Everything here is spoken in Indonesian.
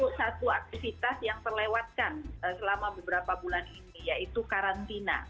itu satu aktivitas yang terlewatkan selama beberapa bulan ini yaitu karantina